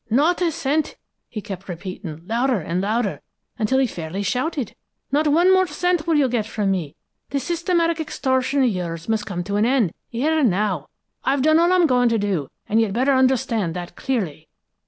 'Not a cent!' he kept repeating, louder and louder, until he fairly shouted. 'Not one more cent will you get from me. This systematic extortion of yours must come to an end here and now! I've done all I'm going to, and you'd better understand that clearly.'